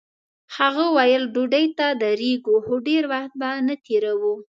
هغه ویل ډوډۍ ته درېږو خو ډېر وخت به نه تېروو.